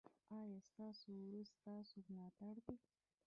ایا ستاسو ورور ستاسو ملاتړ دی؟